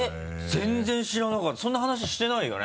全然知らなかったそんな話してないよね？